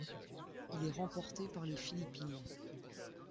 Il est remporté par les Philippines.